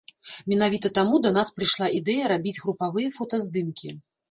Менавіта таму да нас прыйшла ідэя рабіць групавыя фотаздымкі.